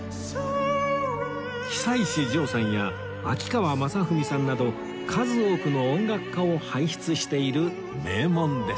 久石譲さんや秋川雅史さんなど数多くの音楽家を輩出している名門です